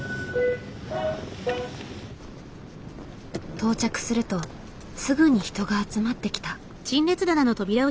到着するとすぐに人が集まってきた。